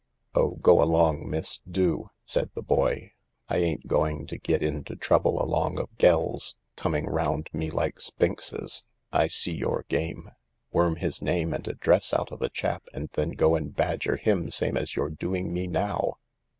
" Oh, go along, miss, do," said the boy. " I ain't going to get into* trouble along of gells — coming round me like spinxes. I see your game. Worm his name and address out of a chap and then go and badger him same as you're doing me now.